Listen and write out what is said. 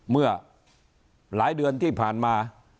เมื่อหลายเดือนที่ผ่านมา